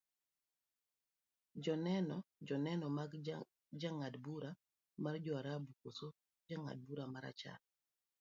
joneno, joneno mag jang'ad bura mar joarabu kose jang'ad bura marachar